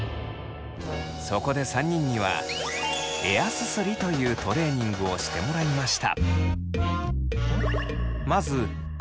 そこで３人には「エアすすり」というトレーニングをしてもらいました。